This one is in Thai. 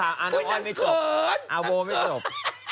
เอานะไม่เดี๋ยวค่ะอ้าวโบไม่จบ